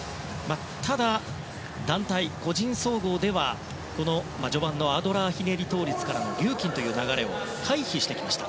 ただ団体、個人総合では序盤のアドラーひねり倒立からのリューキンという流れを回避してきました。